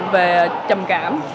về trầm cảm